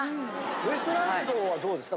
ウエストランドはどうですか？